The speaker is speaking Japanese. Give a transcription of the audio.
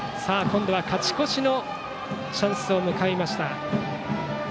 今度は勝ち越しのチャンスを迎えました。